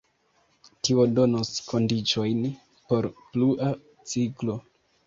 Tio donos kondiĉojn por plua ciklo.